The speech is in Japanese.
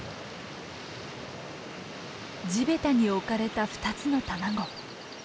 地べたに置かれた２つの卵。